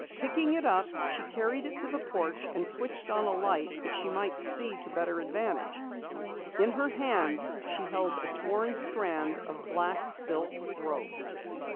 Picking it up, she carried it to the porch and switched on a light that she might see to better advantage. In her hand she held a torn strand of black silk rope.